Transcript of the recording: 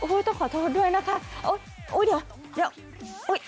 โอ้ยต้องขอโทษด้วยนะคะโอ้ยโอ้ยเดี๋ยวเดี๋ยวโอ้ย